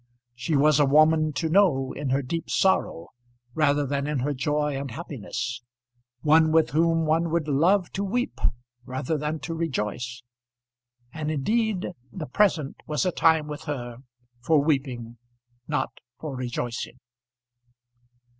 She was a woman to know in her deep sorrow rather than in her joy and happiness; one with whom one would love to weep rather than to rejoice. And, indeed, the present was a time with her for weeping, not for rejoicing.